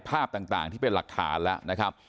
ภาพต่างที่เป็นหลักฐานแล้วนะครับ